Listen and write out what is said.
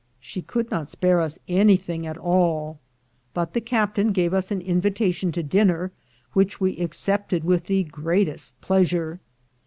She could not spare us any thing at all, but the captain gave us an invitation to dinner, which we accepted with the greatest pleasure.